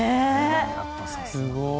やっぱりさすが。